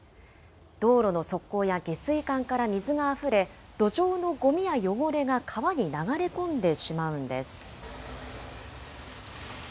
道路の側溝や下水管から水があふれ、路上のごみや汚れが川に流れ込んでしまうんです。